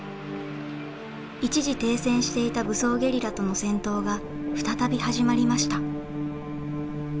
一時停戦していた武装ゲリラとの戦闘が再び始まりました。